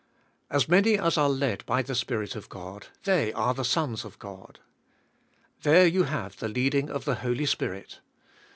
As many as are lead by the Spirit of God they are the sons of God." There you have the leading of the Holy Spirit.